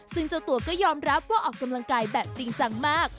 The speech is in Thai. ซึ่งเจ้าตัวก็ยอมรับว่าออกกำลังกายแบบจริงจังมาก